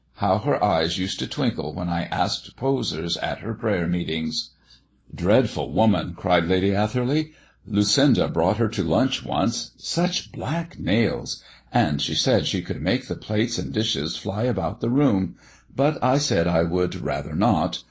How her eyes used to twinkle when I asked posers at her prayer meetings!" "Dreadful woman!" cried Lady Atherley. "Lucinda brought her to lunch once. Such black nails, and she said she could make the plates and dishes fly about the room, but I said I would rather not.